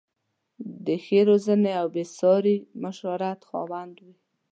د ښې روزنې او بې ساري معاشرت خاوند وې.